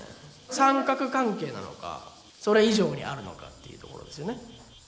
三角関係なのかそれ以上にあるのかっていうところですよね。